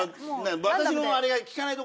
私のあれが利かないとこ。